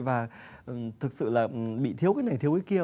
và thực sự là bị thiếu cái này thiếu cái kia